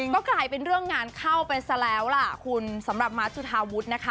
ก็กลายเป็นเรื่องงานเข้าไปซะแล้วล่ะคุณสำหรับมาร์จุธาวุฒินะคะ